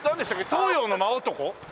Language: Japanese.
東洋の魔男？